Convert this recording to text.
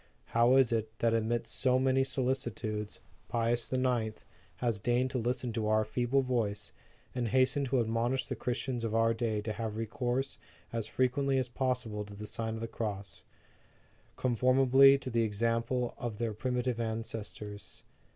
How is it, that amidst so many solicitudes, Pius IX. has deigned to listen to our feeble voice, and hastened to admonish the Christians of our day to have recourse as frequently as possible to the Sign of the Cross, conformably to the example of their primitive ancestors?